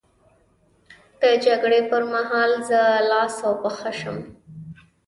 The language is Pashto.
د جګړې پر مهال زه لاس او پښه شم.